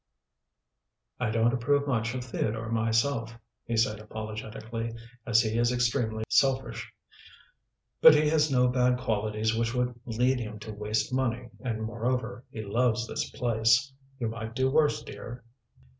"I don't approve much of Theodore myself," he said apologetically, "as he is extremely selfish. But he has no bad qualities which would lead him to waste money, and, moreover, he loves this place. You might do worse, dear."